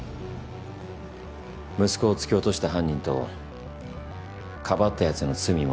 息子を突き落とした犯人とかばったやつの罪も。